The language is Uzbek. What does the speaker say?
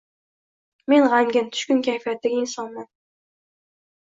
Men gʻamgin, tushkun kayfiyatdagi insonman.